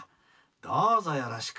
どうぞよろしく」。